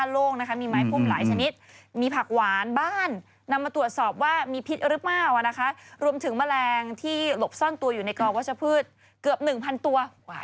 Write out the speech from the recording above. รวมถึงแมลงที่หลบซ่อนตัวอยู่ในกองวัชพืชเกือบ๑๐๐ตัว